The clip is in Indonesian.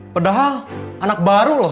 padahal anak baru loh